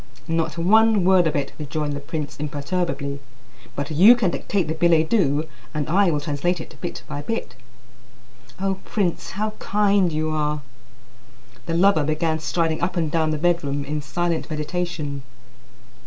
"Not one word of it," rejoined the prince imperturbably; "but you can dictate the billet doux, and I will translate it bit by bit." "O prince, how kind you are!" The lover began striding up and down the bedroom in silent meditation.